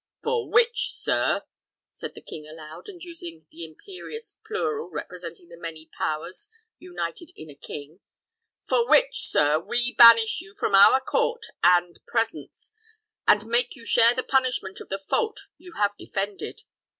"For which, sir," said the king aloud, and using the imperious plural representing the many powers united in a king; "for which, sir, we banish you from our court and presence, and make you share the punishment of the fault you have defended.